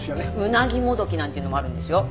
鰻もどきなんていうのもあるんですよ。